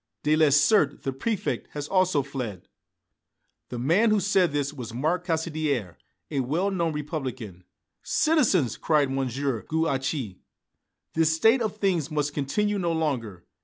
Delessert, the Préfect, has also fled!" The man who said this was Marc Caussidière, a well known Republican. "Citizens!" cried M. Gouache, "this state of things must continue no longer.